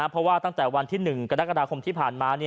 เพราะว่าตั้งแต่วันที่๑กรกฎาคมที่ผ่านมา